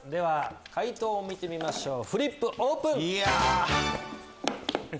解答を見てみましょうフリップオープン！